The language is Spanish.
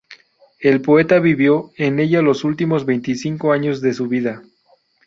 El poeta vivió en ella los últimos veinticinco años de su vida.